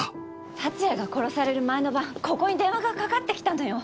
龍哉が殺される前の晩ここに電話がかかってきたのよ。